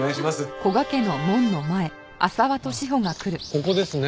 あっここですね。